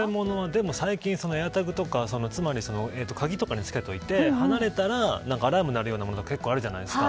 最近ＡｉｒＴａｇとか鍵とかにつけておいて離れたらアラームが鳴るようなものが結構あるじゃないですか。